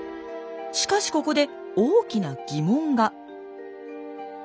しかしここで大きな疑問が。